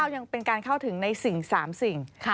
ยังเป็นการเข้าถึงในสิ่ง๓สิ่ง